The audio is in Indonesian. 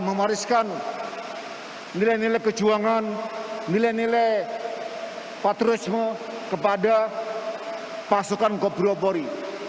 memahariskan nilai nilai kejuangan nilai nilai patriotisme kepada pasukan kop brimopori